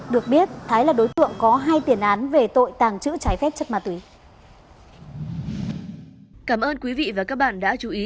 được biết thái là đối tượng có hai tiền án về tội tàng trữ trái phép chất ma túy